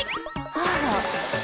あら。